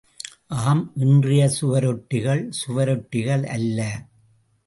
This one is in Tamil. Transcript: ஆம் இன்றைய சுவரொட்டிகள், சுவரொட்டிகள் அல்ல!